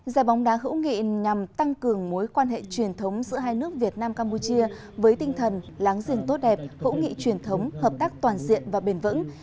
giải bóng đá hữu nghị nhằm tăng cường mối quan hệ truyền thống giữa hai nước việt nam campuchia với tinh thần láng giềng tốt đẹp hữu nghị truyền thống hợp tác toàn diện và bền vững